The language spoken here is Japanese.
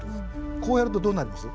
こうやるとどうなります？